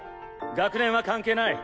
学年は関係ない。